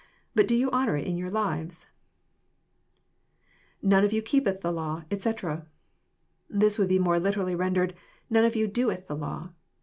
But do you honour it in your lives ?" [None of you keepeih the law, etc.'] This would be more literally rendered, *' none of you, doetfi the law."